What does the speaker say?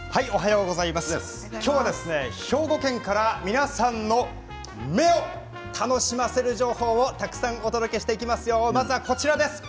今日は兵庫県から皆さんの目を楽しませる情報をたくさんお届けしていきますよ。